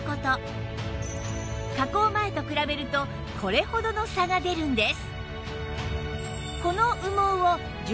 加工前と比べるとこれほどの差が出るんです